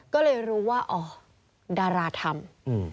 ก็เลยรู้ว่าอ๋อดาราทำ